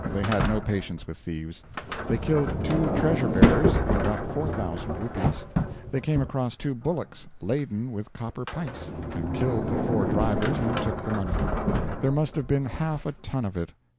They had no patience with thieves. They killed two treasure bearers, and got 4,000 rupees. They came across two bullocks "laden with copper pice," and killed the four drivers and took the money. There must have been half a ton of it.